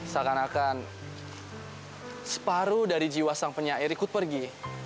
seakan akan separuh dari jiwa sang penyair ikut pergi